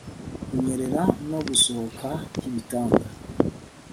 kunyerera no gusohoka yibitanda